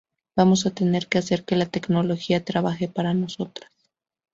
vamos a tener que hacer que la tecnología trabaje para nosotras